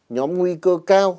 nhóm nguy cơ cao